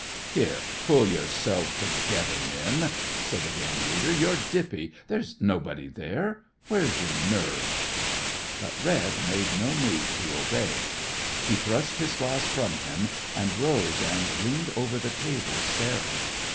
"Here, pull yourselves together, men," said the gang leader; "you're dippy, there's nobody here. Where's your nerve?" But Red made no move to obey. He thrust his glass from him and rose and leaned over the table staring.